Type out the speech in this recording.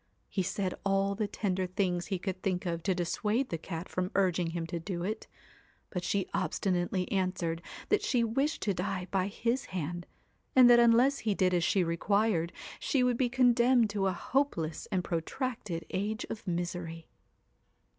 He said all the tender things he could think of to dissuade the cat from urging him to it ; but she obstinately answered that she wished to die by his hand, and that unless he did as she required, she would be condemned to a hopeless and pro tracted age of misery.